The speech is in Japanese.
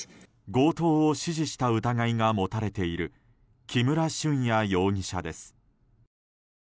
強盗を指示した疑いが持たれている木村俊哉容疑者です。